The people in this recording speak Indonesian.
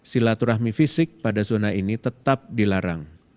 silaturahmi fisik pada zona ini tetap dilarang